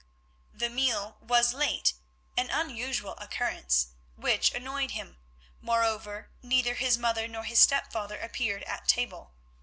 The meal was late, an unusual occurrence, which annoyed him; moreover, neither his mother nor his stepfather appeared at table.